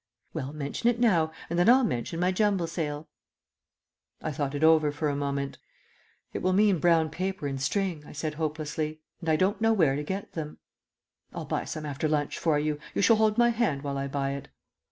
"Well, mention it now, and then I'll mention my jumble sale." I thought it over for a moment. "It will mean brown paper and string," I said hopelessly, "and I don't know where to get them." "I'll buy some after lunch for you. You shall hold my hand while I buy it."